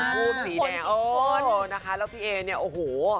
พูดสีแดงเออนะคะแล้วพี่เอเนี่ยโอ้โห